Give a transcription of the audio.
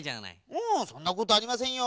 ううんそんなことありませんよ。